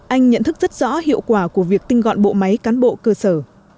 anh nhận thức rất rõ hiệu quả của việc tinh gọn bộ máy cán bộ cơ sở